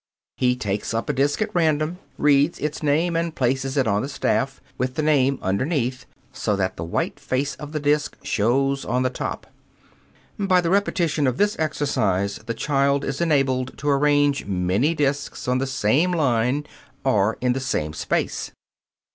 He takes up a disc at random, reads its name and places it on the staff, with the name underneath, so that the white face of the disc shows on the top. By the repetition of this exercise the child is enabled to arrange many discs on the same line or in the same space.